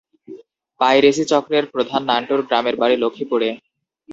Piracy চক্রের প্রধান নান্টুর গ্রামের বাড়ি লক্ষ্মীপুরে।